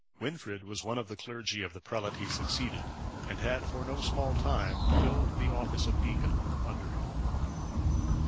Wynfrid was one of the clergy of the prelate he succeeded, and had for no small time filled the office of deacon under him.